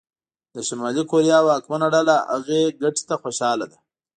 د شلي کوریا واکمنه ډله هغې ګټې ته خوشاله ده.